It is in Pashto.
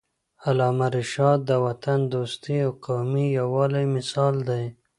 علامه رشاد د وطن دوستۍ او قومي یووالي مثال دی.